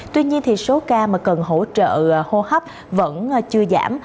tuy nhiên thì số ca mà cần hỗ trợ hô hấp vẫn chưa giảm